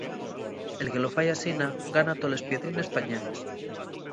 El que lo fai asina, gana toles piedrines pañaes.